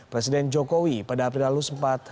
presiden jokowi pada april lalu sempat